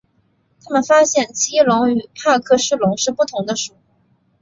他们发现奇异龙与帕克氏龙是不同的属。